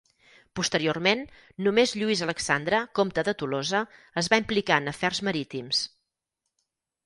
Posteriorment, només Lluís Alexandre, comte de Tolosa, es va implicar en afers marítims.